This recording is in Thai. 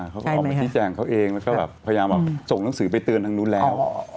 เขาก็ออกมาชี้แจงเขาเองแล้วก็แบบพยายามแบบส่งหนังสือไปเตือนทางนู้นแล้ว